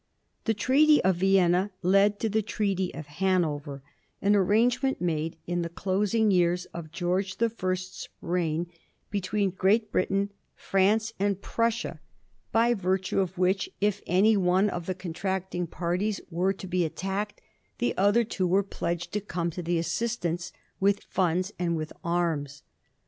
The Treaty of Vienna led to the Treaty of Hanover, an arrangement made in the closing years of George the First's reign, between Great Britain, France, and Prussia, by virtue of Digiti zed by Google 1720 THE CAMPEAOHY LOGWOOD. 387 which if any one of the contracting parties were to be attacked, the other two were pledged to come to the assistance with funds and with arms.